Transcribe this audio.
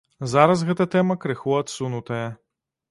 Зараз гэта тэма крыху адсунутая.